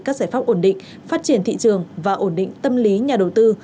các giải pháp ổn định phát triển thị trường và ổn định tâm lý nhà đầu tư